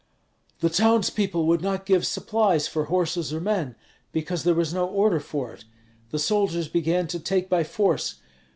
"The townspeople would not give supplies for horses or men, because there was no order for it; the soldiers began to take by force.